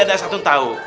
ada satu yang tahu